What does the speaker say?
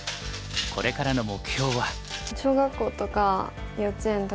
これからの目標は。